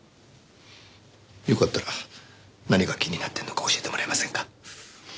よかったら何が気になってるのか教えてもらえませんか？